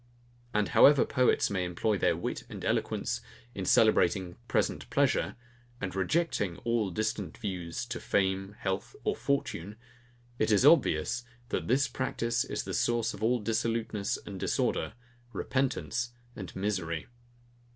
And however poets may employ their wit and eloquence, in celebrating present pleasure, and rejecting all distant views to fame, health, or fortune; it is obvious, that this practice is the source of all dissoluteness and disorder, repentance and misery.